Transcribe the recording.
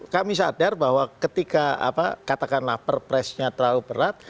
kami sadar bahwa ketika katakanlah perpresnya terlalu berat